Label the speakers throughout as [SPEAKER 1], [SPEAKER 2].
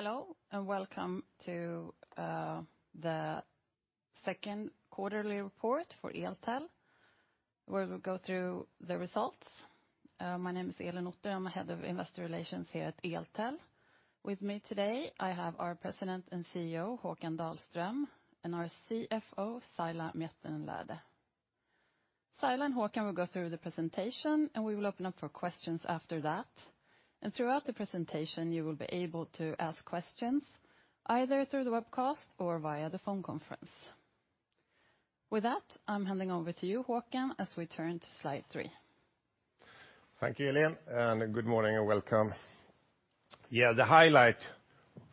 [SPEAKER 1] Hello, and welcome to the second quarterly report for Eltel, where we'll go through the results. My name is Elin Otter, I'm Head of Investor Relations here at Eltel. With me today, I have our President and Chief Executive Officer, Håkan Dahlström, and our Chief Financial Officer, Saila Miettinen-Lähde. Saila and Håkan will go through the presentation, and we will open up for questions after that. Throughout the presentation, you will be able to ask questions either through the webcast or via the phone conference. With that, I'm handing over to you, Håkan, as we turn to slide three.
[SPEAKER 2] Thank you, Elin. Good morning, and welcome. The highlight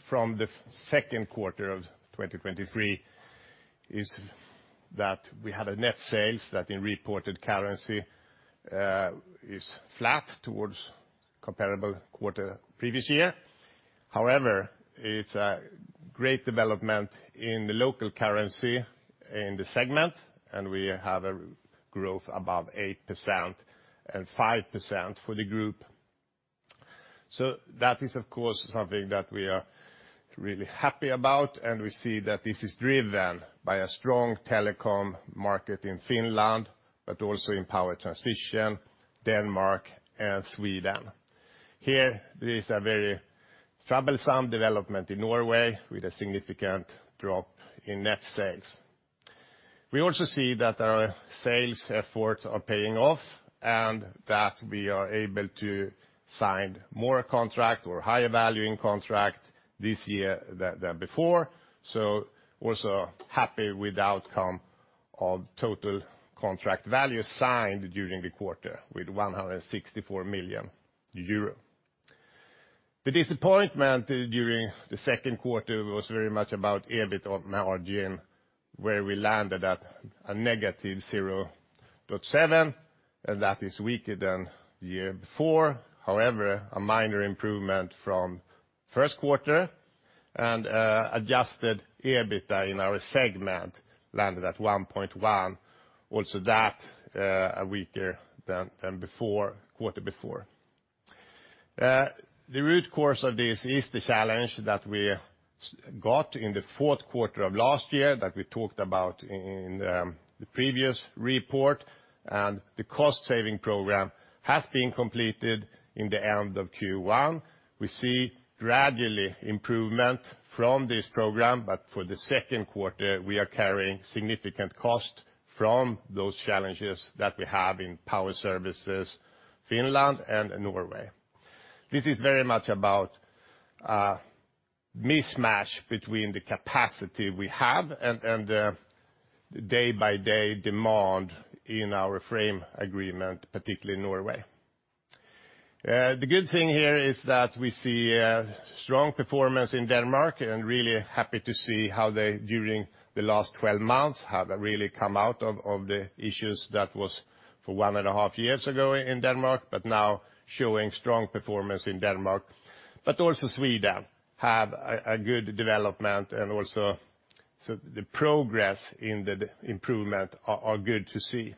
[SPEAKER 2] from the second quarter of 2023 is that we had a net sales that in reported currency is flat towards comparable quarter previous year. However, it's a great development in the local currency in the segment. We have a growth above 8% and 5% for the group. That is, of course something that we are really happy about. We see that this is driven by a strong telecom market in Finland, also in power transmission, Denmark and Sweden. Here, there is a very troublesome development in Norway with a significant drop in net sales. We also see that our sales efforts are paying off. We are able to sign more contract or higher value in contract this year than before. Also happy with the outcome of total contract value signed during the quarter with 164 million euro. The disappointment during second quarter was very much about EBITDA margin, where we landed at -0.7%, and that is weaker than the year before. However, a minor improvement from first quarter, and adjusted EBITDA in our segment landed at 1.1%. Also that, a weaker than before, quarter before. The root cause of this is the challenge that we got in fourth quarter of last year, that we talked about in the previous report, and the cost-saving program has been completed in the end of Q1. We see gradually improvement from this program, but for second quarter, we are carrying significant cost from those challenges that we have in Power Services, Finland and Norway. This is very much about a mismatch between the capacity we have and the day-by-day demand in our frame agreement, particularly in Norway. The good thing here is that we see a strong performance in Denmark, and really happy to see how they, during the last 12 months, have really come out of the issues that was for 1.5 years ago in Denmark, but now showing strong performance in Denmark. Also Sweden have a good development and also the progress in the improvement are good to see.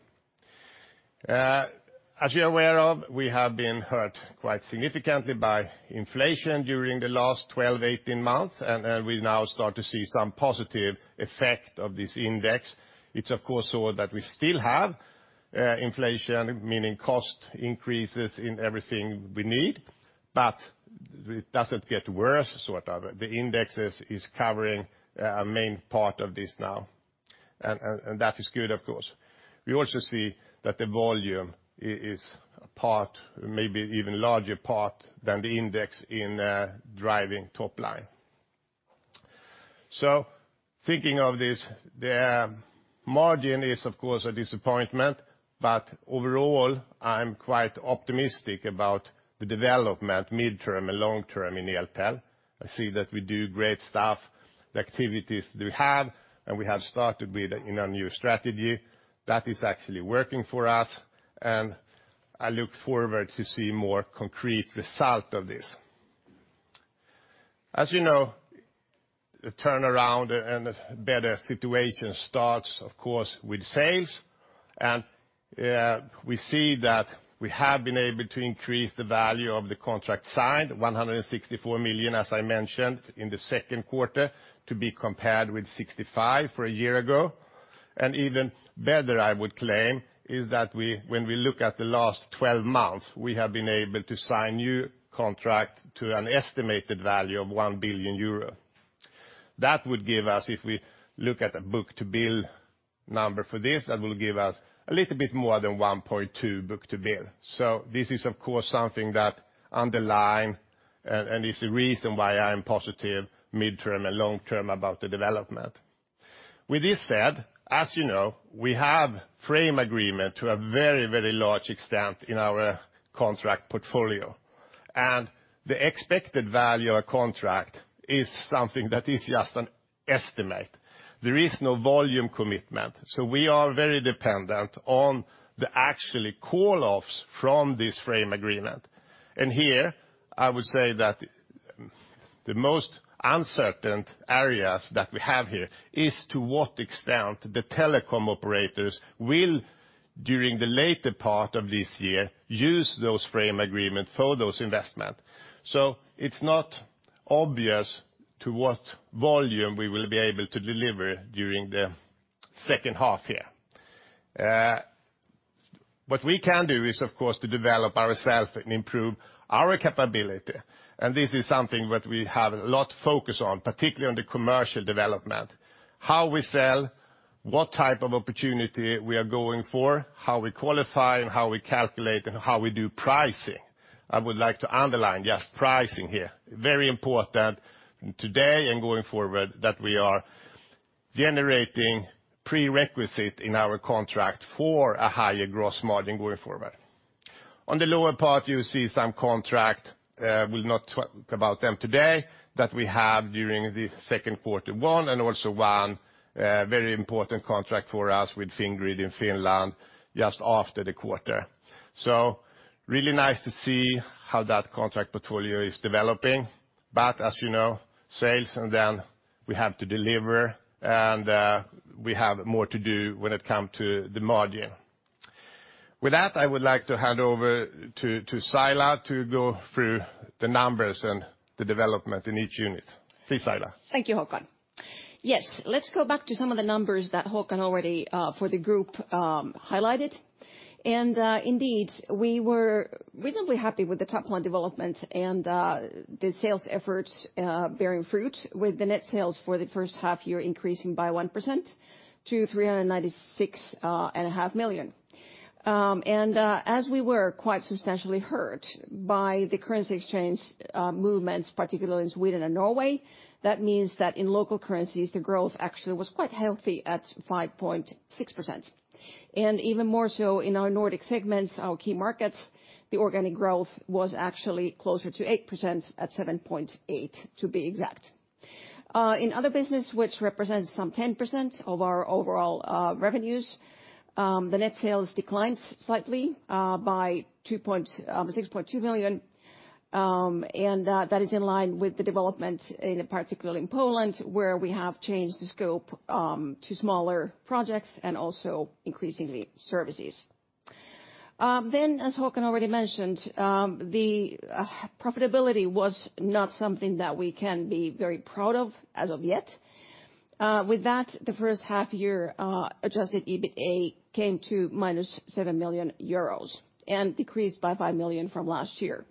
[SPEAKER 2] As you're aware of, we have been hurt quite significantly by inflation during the last 12-18 months, and we now start to see some positive effect of this index. It's of course so that we still have inflation, meaning cost increases in everything we need, but it doesn't get worse. The index is covering a main part of this now, and that is good, of course. We also see that the volume is a part, maybe even larger part than the index in driving top line. Thinking of this, the margin is, of course, a disappointment, but overall, I'm quite optimistic about the development mid-term and long-term in Eltel. I see that we do great stuff, the activities we have, and we have started with in our new strategy. That is actually working for us, and I look forward to see more concrete result of this. You know, the turnaround and a better situation starts, of course, with sales. We see that we have been able to increase the value of the contract signed, 164 million, as I mentioned, in the second quarter, to be compared with 65 million for a year ago. Even better, I would claim, is that when we look at the last twelve months, we have been able to sign new contract to an estimated value of 1 billion euro. That would give us, if we look at a book-to-bill number for this, that will give us a little bit more than 1.2 book-to-bill. This is, of course, something that underline and is the reason why I'm positive mid-term and long-term about the development. With this said, as you know, we have frame agreement to a very, very large extent in our contract portfolio. The expected value of a contract is something that is just an estimate. There is no volume commitment. We are very dependent on the actually call-offs from this frame agreement. Here, I would say that the most uncertain areas that we have here is to what extent the telecom operators will, during the later part of this year, use those frame agreement for those investment. It's obvious to what volume we will be able to deliver during the second half year. What we can do is, of course, to develop ourself and improve our capability. This is something that we have a lot focus on, particularly on the commercial development. How we sell, what type of opportunity we are going for, how we qualify, and how we calculate, and how we do pricing. I would like to underline, just pricing here, very important today and going forward, that we are generating prerequisite in our contract for a higher gross margin going forward. On the lower part, you see some contract we will not talk about them today, that we have during the second quarter, one, and also one very important contract for us with Fingrid in Finland just after the quarter. Really nice to see how that contract portfolio is developing, but as you know, sales, and then we have to deliver, and we have more to do when it come to the margin. With that, I would like to hand over to Saila, to go through the numbers and the development in each unit. Please, Saila.
[SPEAKER 3] Thank you, Håkan. Let's go back to some of the numbers that Håkan already for the group highlighted. Indeed, we were reasonably happy with the top-line development and the sales efforts bearing fruit, with the net sales for the first half year increasing by 1% to 396 and a half million. As we were quite substantially hurt by the currency exchange movements, particularly in Sweden and Norway, that means that in local currencies, the growth actually was quite healthy at 5.6%. Even more so in our Nordic segments, our key markets, the organic growth was actually closer to 8%, at 7.8%, to be exact. In other business, which represents some 10% of our overall revenues, the net sales declines slightly by 6.2 million. That is in line with the development in, particularly in Poland, where we have changed the scope to smaller projects and also increasingly services. As Håkan already mentioned, the profitability was not something that we can be very proud of as of yet. With that, the first half year adjusted EBITA came to -7 million euros, and decreased by 5 million EUR from last year.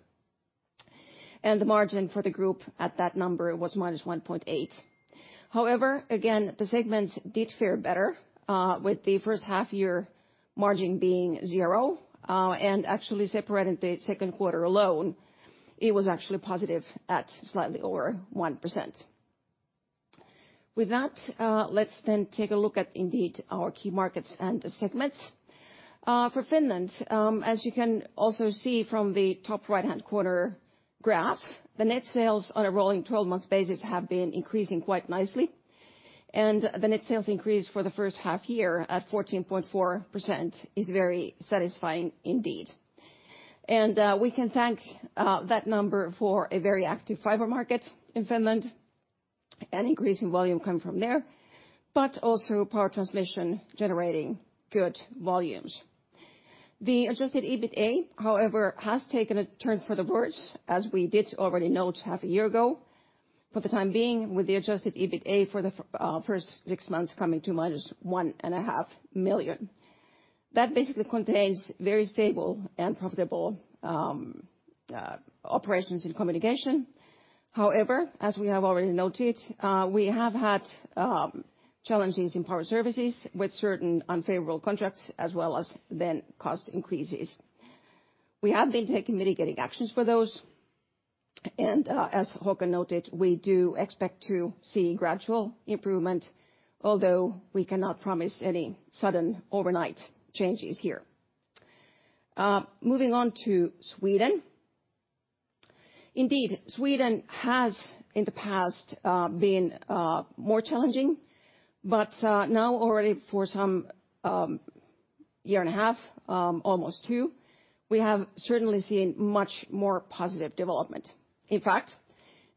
[SPEAKER 3] The margin for the group at that number was -1.8%. However, again, the segments did fare better, with the first half-year margin being 0, and actually separating the second quarter alone, it was actually positive at slightly over 1%. Let's take a look at indeed, our key markets and the segments. For Finland, as you can also see from the top right-hand corner graph, the net sales on a rolling 12-month basis have been increasing quite nicely. The net sales increase for the first half-year at 14.4% is very satisfying indeed. We can thank that number for a very active fiber market in Finland, an increase in volume coming from there, but also power transmission generating good volumes. The adjusted EBITA has taken a turn for the worse, as we did already note half a year ago, for the time being, with the adjusted EBITA for the first six months coming to minus 1.5 million. That basically contains very stable and profitable operations in communication. As we have already noted, we have had challenges in Power Services with certain unfavorable contracts, as well as then cost increases. We have been taking mitigating actions for those, and as Håkan noted, we do expect to see gradual improvement, although we cannot promise any sudden overnight changes here. Moving on to Sweden. Indeed, Sweden has, in the past, been more challenging, but now already for some year and a half, almost two, we have certainly seen much more positive development. In fact,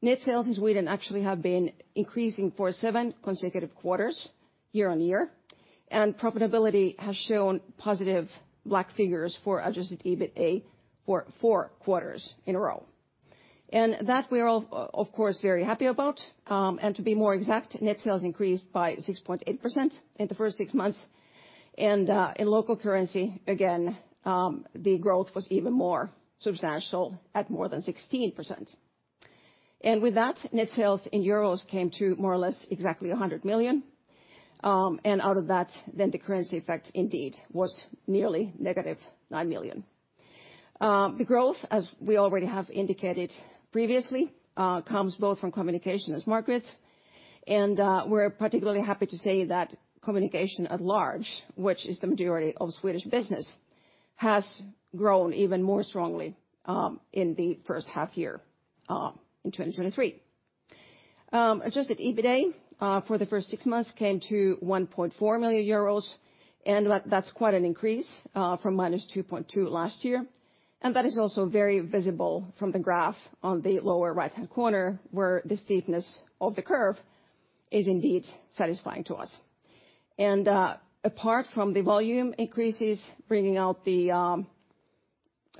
[SPEAKER 3] net sales in Sweden actually have been increasing for 7 consecutive quarters year-over-year, and profitability has shown positive black figures for adjusted EBITA for 4 quarters in a row. That we are all, of course, very happy about, and to be more exact, net sales increased by 6.8% in the first six months, and in local currency, again, the growth was even more substantial at more than 16%. With that, net sales in euros came to more or less exactly 100 million. Out of that, the currency effect indeed was nearly -9 million. The growth, as we already have indicated previously, comes both from communication as markets, we're particularly happy to say that communication at large, which is the majority of Swedish business, has grown even more strongly, in the first half year, in 2023. Adjusted EBITA for the first six months came to 1.4 million euros, that's quite an increase from minus 2.2 last year. That is also very visible from the graph on the lower right-hand corner, where the steepness of the curve is indeed satisfying to us. Apart from the volume increases, bringing out the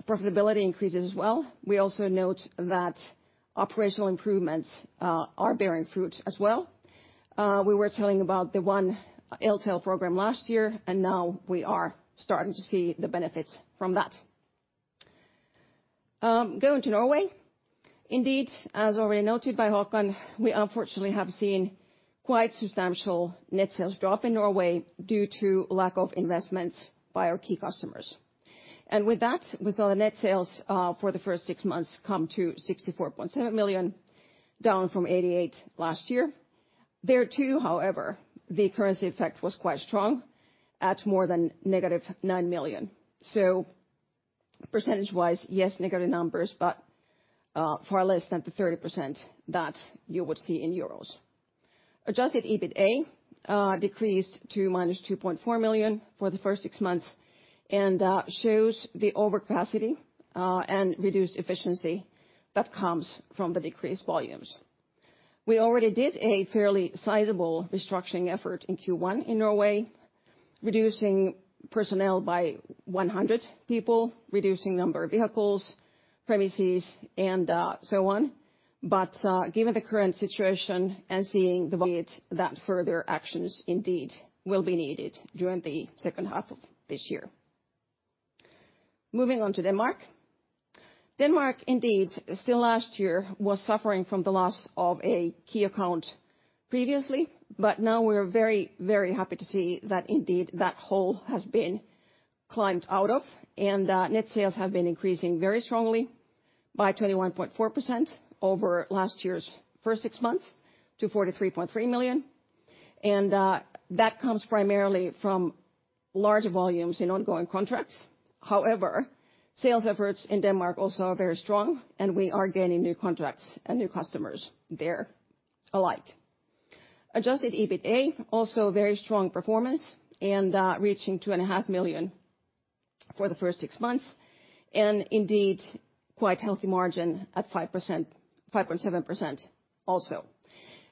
[SPEAKER 3] profitability increases as well. We also note that operational improvements are bearing fruit as well. We were telling about the One Eltel program last year. Now we are starting to see the benefits from that. Going to Norway. Indeed, as already noted by Håkan, we unfortunately have seen quite substantial net sales drop in Norway due to lack of investments by our key customers. With that, we saw the net sales for the first 6 months come to 64.7 million, down from 88 million last year. There, too, however, the currency effect was quite strong, at more than negative 9 million. Percentage-wise, yes, negative numbers, but far less than the 30% that you would see in EUR. Adjusted EBITA decreased to minus 2.4 million for the first 6 months, shows the overcapacity and reduced efficiency that comes from the decreased volumes. We already did a fairly sizable restructuring effort in Q1 in Norway, reducing personnel by 100 people, reducing number of vehicles, premises, and so on. Given the current situation and seeing the volume, that further actions indeed will be needed during the second half of this year. Moving on to Denmark. Denmark, indeed, still last year, was suffering from the loss of a key account previously, but now we're very, very happy to see that indeed, that hole has been climbed out of, net sales have been increasing very strongly by 21.4% over last year's first six months to 43.3 million. That comes primarily from larger volumes in ongoing contracts. However, sales efforts in Denmark also are very strong, and we are gaining new contracts and new customers there alike. Adjusted EBITA, also very strong performance, and reaching 2.5 million for the first six months, and indeed, quite healthy margin at 5%, 5.7% also.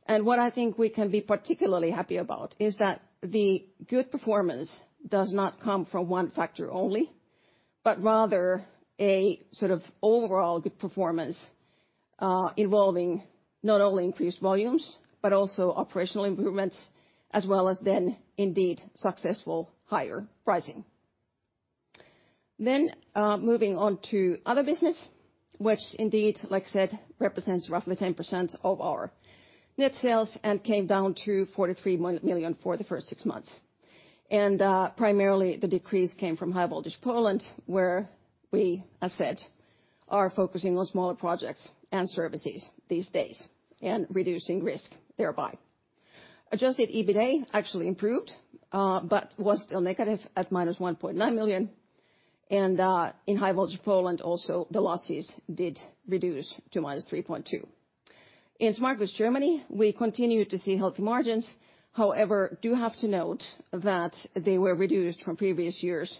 [SPEAKER 3] What I think we can be particularly happy about is that the good performance does not come from one factor only, but rather a sort of overall good performance, involving not only increased volumes, but also operational improvements, as well as then, indeed, successful higher pricing. Moving on to other business, which indeed, like I said, represents roughly 10% of our net sales and came down to 43 million for the first six months. Primarily, the decrease came from High Voltage Poland, where we, as said, are focusing on smaller projects and services these days, and reducing risk thereby. Adjusted EBITA actually improved, but was still negative at -1.9 million, and in High Voltage Poland, also, the losses did reduce to -3.2 million. In Smart Grids Germany, we continue to see healthy margins, however, do have to note that they were reduced from previous years',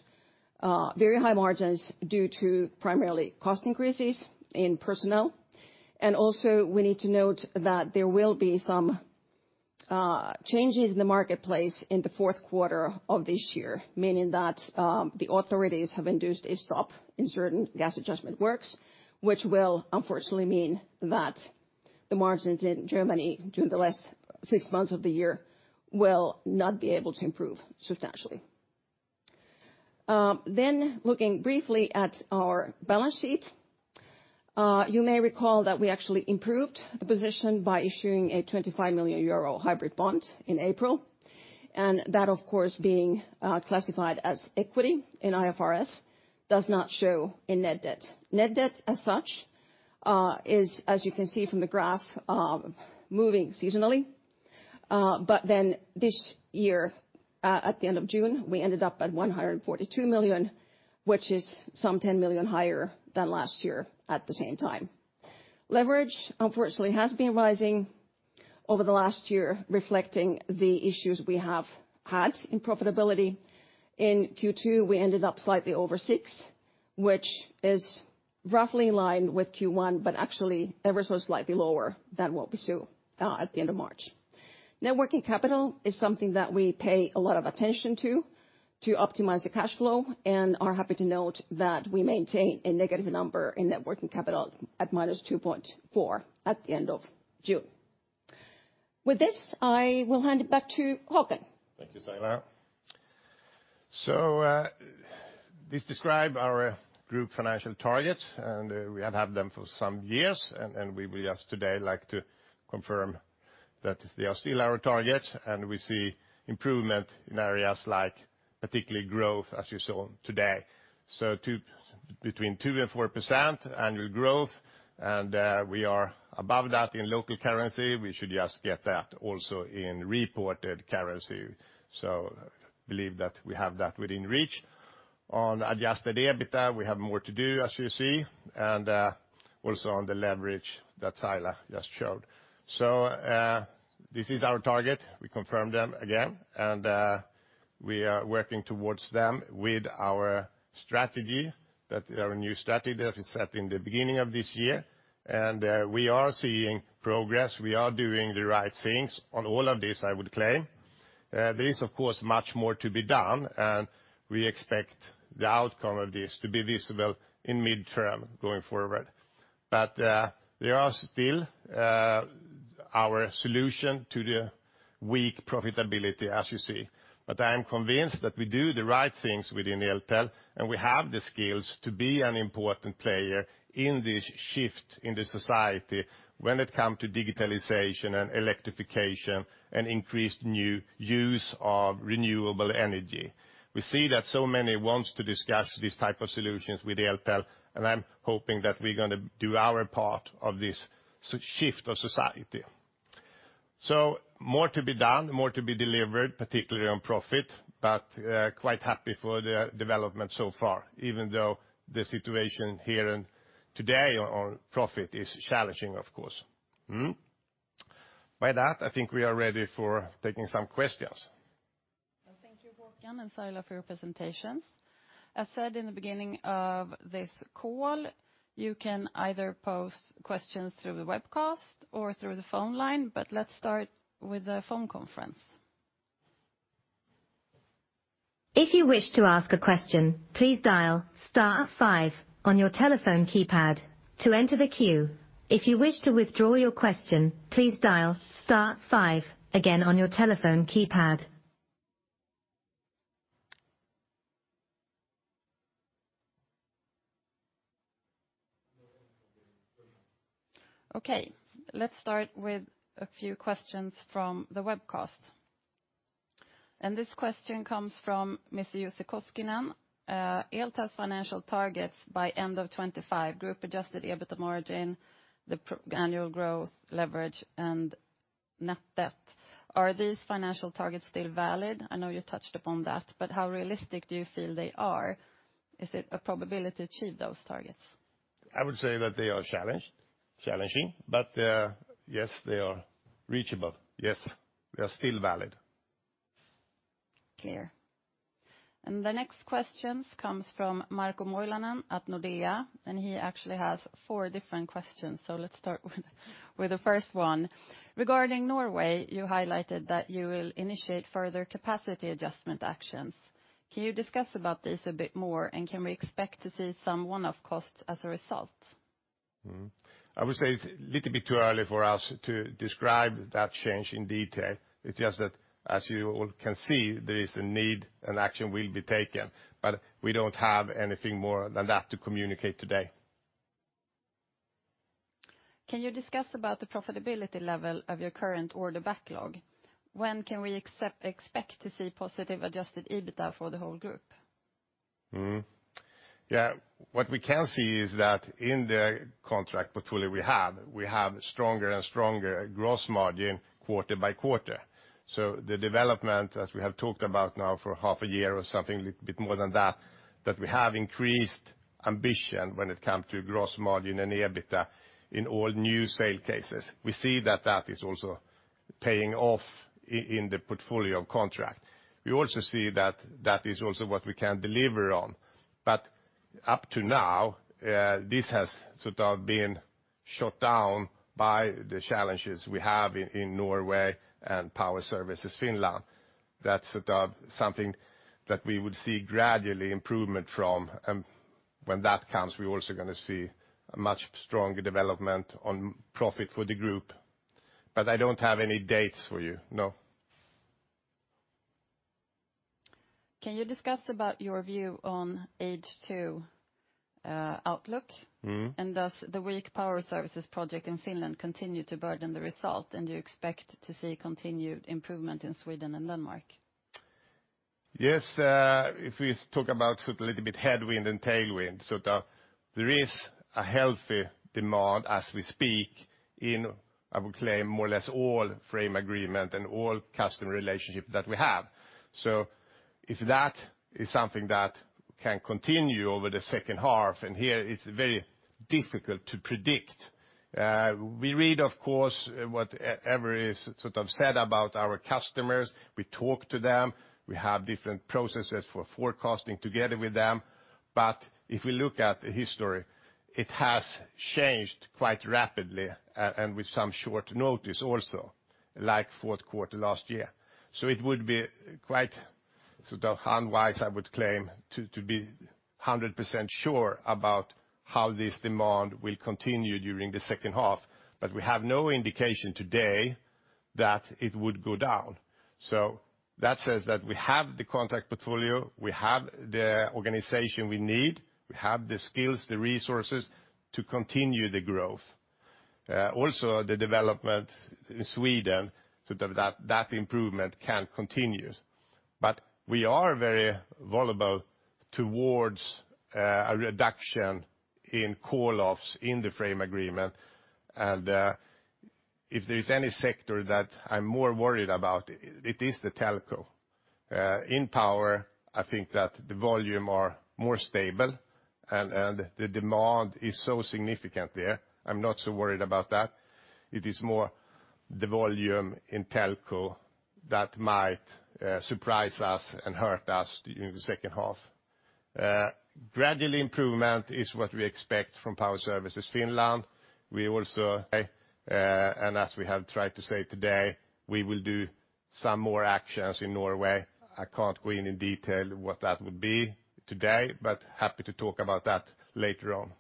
[SPEAKER 3] very high margins due to primarily cost increases in personnel. Also, we need to note that there will be some changes in the marketplace in the fourth quarter of this year, meaning that the authorities have induced a stop in certain gas adjustment works, which will unfortunately mean that the margins in Germany during the last six months of the year will not be able to improve substantially. Looking briefly at our balance sheet, you may recall that we actually improved the position by issuing a 25 million euro hybrid bond in April, and that, of course, being classified as equity in IFRS, does not show a net debt. Net debt, as such, is, as you can see from the graph, moving seasonally, but then this year, at the end of June, we ended up at 142 million, which is 10 million higher than last year at the same time. Leverage, unfortunately, has been rising over the last year, reflecting the issues we have had in profitability. In Q2, we ended up slightly over 6, which is roughly in line with Q1, but actually ever so slightly lower than what we saw, at the end of March. Net working capital is something that we pay a lot of attention to optimize the cash flow, and are happy to note that we maintain a negative number in net working capital at -2.4 at the end of June. With this, I will hand it back to Håkan.
[SPEAKER 2] Thank you, Saila. This describe our group financial targets. We have had them for some years, and we just today like to confirm that they are still our targets, and we see improvement in areas like particularly growth, as you saw today. Between 2% and 4% annual growth. We are above that in local currency. We should just get that also in reported currency. Believe that we have that within reach. On adjusted EBITA, we have more to do, as you see, and also on the leverage that Saila just showed. This is our target. We confirm them again, and we are working towards them with our strategy, that our new strategy that we set in the beginning of this year. We are seeing progress. We are doing the right things on all of this, I would claim. There is, of course, much more to be done, and we expect the outcome of this to be visible in mid-term going forward. There are still, our solution to the weak profitability, as you see. I am convinced that we do the right things within Eltel, and we have the skills to be an important player in this shift in the society when it come to digitalization and electrification, and increased new use of renewable energy. We see that so many wants to discuss these type of solutions with Eltel, and I'm hoping that we're gonna do our part of this shift of society. More to be done, more to be delivered, particularly on profit, but quite happy for the development so far, even though the situation here and today on profit is challenging, of course. By that, I think we are ready for taking some questions.
[SPEAKER 1] Well, thank you, Håkan and Saila, for your presentations. As said in the beginning of this call, you can either pose questions through the webcast or through the phone line. Let's start with the phone conference.
[SPEAKER 4] If you wish to ask a question, please dial star five on your telephone keypad to enter the queue. If you wish to withdraw your question, please dial star five again on your telephone keypad.
[SPEAKER 1] Okay, let's start with a few questions from the webcast. This question comes from Mr. Jose Koskinen. Eltel's financial targets by end of 2025, group-adjusted EBITA margin, annual growth leverage, and net debt. Are these financial targets still valid? I know you touched upon that, but how realistic do you feel they are? Is it a probability to achieve those targets?
[SPEAKER 2] I would say that they are challenged, challenging, but, yes, they are reachable. Yes, they are still valid.
[SPEAKER 1] Clear. The next questions comes from Marco Moilanen at Nordea, and he actually has four different questions, so let's start with the first one. Regarding Norway, you highlighted that you will initiate further capacity adjustment actions. Can you discuss about this a bit more, and can we expect to see some one-off costs as a result?
[SPEAKER 2] I would say it's a little bit too early for us to describe that change in detail. It's just that, as you all can see, there is a need, and action will be taken. We don't have anything more than that to communicate today.
[SPEAKER 1] Can you discuss about the profitability level of your current order backlog? When can we expect to see positive adjusted EBITA for the whole group?
[SPEAKER 2] What we can see is that in the contract portfolio we have, we have stronger and stronger gross margin quarter by quarter. The development, as we have talked about now for half a year or something a little bit more than that we have increased ambition when it come to gross margin and EBITA in all new sale cases. We see that that is also paying off in the portfolio contract. We also see that that is also what we can deliver on. Up to now, this has sort of been shot down by the challenges we have in Norway and Power Services Finland. That's sort of something that we would see gradually improvement from, and when that comes, we're also gonna see a much stronger development on profit for the group. I don't have any dates for you, no.
[SPEAKER 1] Can you discuss about your view on H2 outlook?
[SPEAKER 2] Mm-hmm.
[SPEAKER 1] Does the weak Power Services project in Finland continue to burden the result, and do you expect to see continued improvement in Sweden and Denmark?
[SPEAKER 2] If we talk about sort a little bit headwind and tailwind, there is a healthy demand as we speak in, I would claim, more or less all frame agreement and all customer relationship that we have. If that is something that can continue over the second half, and here it's very difficult to predict, we read, of course, what every sort of said about our customers. We talk to them. We have different processes for forecasting together with them. If we look at the history, it has changed quite rapidly and with some short notice also, like fourth quarter last year. It would be quite sort of unwise, I would claim, to be 100% sure about how this demand will continue during the second half, but we have no indication today that it would go down. That says that we have the contract portfolio, we have the organization we need, we have the skills, the resources to continue the growth. Also, that improvement can continue. We are very vulnerable towards a reduction in call-offs in the frame agreement, and if there is any sector that I'm more worried about, it is the telco. In power, I think that the volume are more stable, and the demand is so significant there. I'm not so worried about that. It is more the volume in telco that might surprise us and hurt us during the second half. Gradual improvement is what we expect from Power Services. We also, as we have tried to say today, will do some more actions in Norway. I can't go in detail what that would be today, but happy to talk about that later on.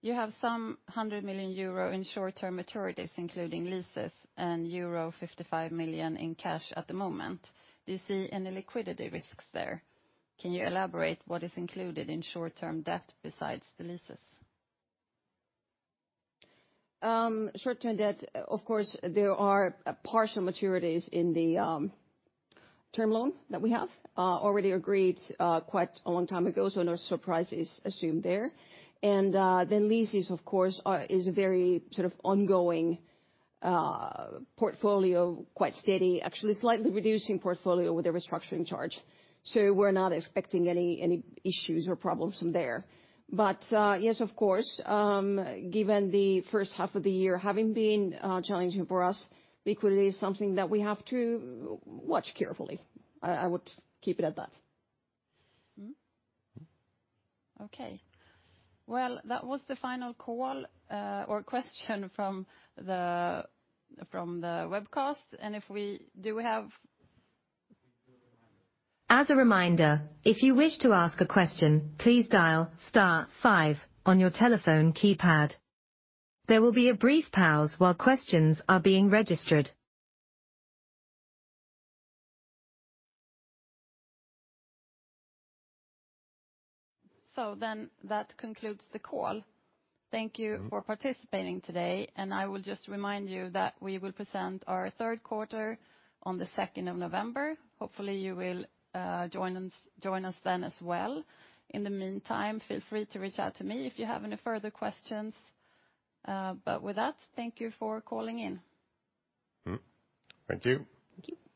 [SPEAKER 1] You have some 100 million euro in short-term maturities, including leases, and euro 55 million in cash at the moment. Do you see any liquidity risks there? Can you elaborate what is included in short-term debt besides the leases?
[SPEAKER 3] Short-term debt, of course, there are partial maturities in the term loan that we have already agreed quite a long time ago, no surprises assumed there. Leases, of course, is a very sort of ongoing portfolio, quite steady, actually slightly reducing portfolio with the restructuring charge. We're not expecting any issues or problems from there. Yes, of course, given the first half of the year having been challenging for us, liquidity is something that we have to watch carefully. I would keep it at that.
[SPEAKER 1] Mm-hmm. Okay. Well, that was the final call, or question from the, from the webcast. Do we have?
[SPEAKER 4] As a reminder, if you wish to ask a question, please dial star 5 on your telephone keypad. There will be a brief pause while questions are being registered.
[SPEAKER 1] That concludes the call.
[SPEAKER 2] Mm-hmm.
[SPEAKER 1] For participating today, I will just remind you that we will present our third quarter on the second of November. Hopefully, you will join us then as well. In the meantime, feel free to reach out to me if you have any further questions. With that, thank you for calling in.
[SPEAKER 2] Mm-hmm. Thank you.
[SPEAKER 3] Thank you.